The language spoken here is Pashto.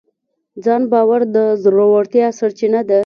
ځان باور د زړورتیا سرچینه ده.